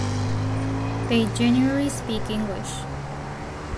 They generally speak English.